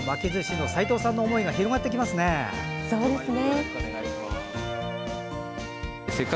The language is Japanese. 齋藤さんの思いが広がってきますね。